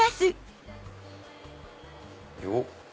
よっ！